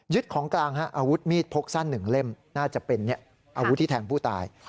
ของกลางอาวุธมีดพกสั้น๑เล่มน่าจะเป็นอาวุธที่แทงผู้ตาย